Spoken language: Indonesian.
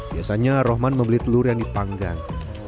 biasanya rohman membeli telur yang dipanggang